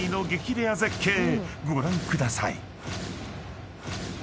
レア絶景ご覧ください］